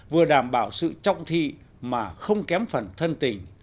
vừa đảm bảo sự trọng thị mà không kém phần thân tình